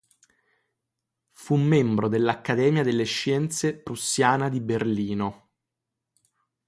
Fu membro dell'Accademia delle scienze prussiana di Berlino.